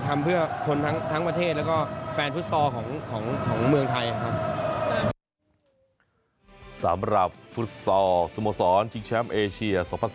ทำเพื่อคนทั้งประเทศแล้วก็แฟนฟุตซอลของเมืองไทยครับ